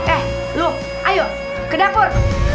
eh loh ayo ke dapur